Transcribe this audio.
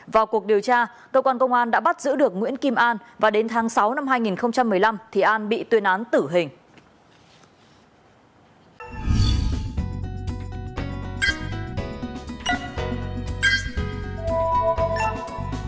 vào cuộc điều tra cơ quan công an đã bắt giữ được nguyễn kim an và đến tháng sáu năm hai nghìn một mươi năm thì an bị tuyên án tử hình